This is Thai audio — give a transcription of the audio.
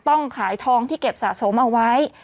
ต้องขายทองที่เก็บสะสมเอาไว้